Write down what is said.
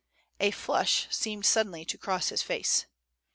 A flush seemed suddenly to cross his face.